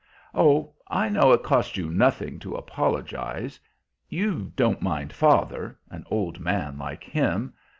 "Oh, I know it costs you nothing to apologize. You don't mind father an old man like him!